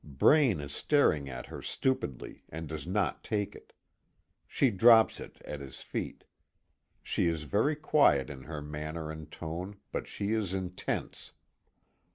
Braine is staring at her stupidly, and does not take it. She drops it at his feet. She is very quiet in her manner and tone, but she is intense.